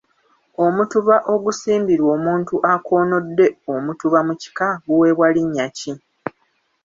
Omutuba ogusimbirwa omuntu akoonodde omutuba mu kika guweebwa linnya ki?